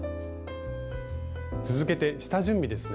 続けて下準備ですね。